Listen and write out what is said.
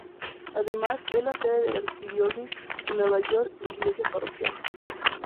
Además, es la sede de la Arquidiócesis de Nueva York e iglesia parroquial.